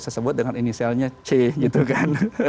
tersebut dengan inisialnya c gitu kan